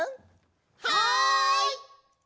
はい！